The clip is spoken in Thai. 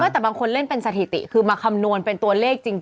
แต่บางคนเล่นเป็นสถิติคือมาคำนวณเป็นตัวเลขจริง